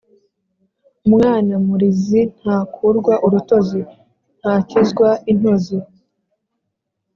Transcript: Umwana murizi ntakurwa urutozi (ntakizwa intozi).